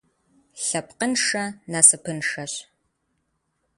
Лъэпкъыншэ насыпыншэщ.